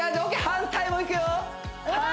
反対もいくよ！